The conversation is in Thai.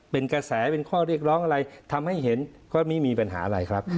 เป็นกระแสเป็นข้อเรียกร้องอะไรทำให้เห็นก็ไม่มีปัญหาอะไรครับ